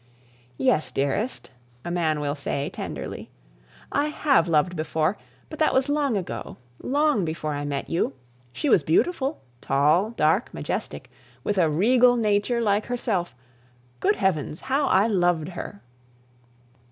"Yes, dearest," a man will say, tenderly, "I have loved before, but that was long ago long before I met you. She was beautiful, tall, dark, majestic, with a regal nature like herself Good Heavens, how I loved her!"